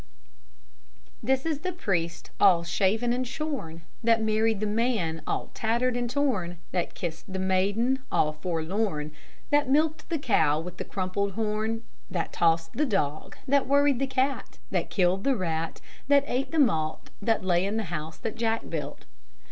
This is the priest all shaven and shorn, That married the man all tattered and torn, That kissed the maiden all forlorn, That milked the cow with the crumpled horn, That tossed the dog, That worried the cat, That killed the rat, That ate the malt That lay in the house that Jack built.